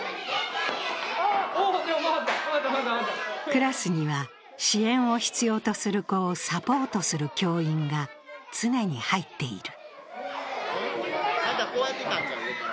クラスには、支援を必要とする子をサポートする教員が常に入っている。